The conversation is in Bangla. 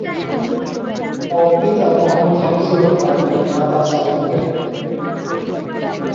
তার পিতা মোহাম্মদ হাফিজুর রহমান এবং মাতা সালমা বেগম।